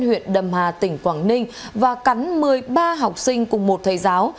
huyện đầm hà tỉnh quảng ninh và cắn một mươi ba học sinh cùng một thầy giáo